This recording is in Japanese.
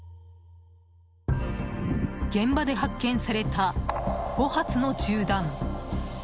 現場で発見された５発の銃弾。